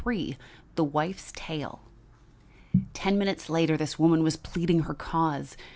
THE WIFE'S TALE Ten minutes later this woman was pleading her cause.